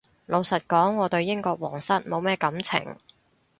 老實講我對英國皇室冇乜感情